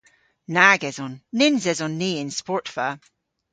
Nag eson. Nyns eson ni y'n sportva.